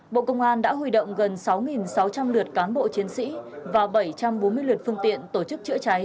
bộ công an đã huy động gần sáu sáu trăm linh lượt cán bộ chiến sĩ và bảy trăm bốn mươi lượt phương tiện tổ chức chữa cháy